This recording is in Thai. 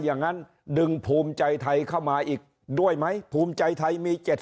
อย่างนั้นดึงภูมิใจไทยเข้ามาอีกด้วยไหมภูมิใจไทยมี๗๐